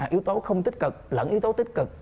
yếu tố không tích cực lẫn yếu tố tích cực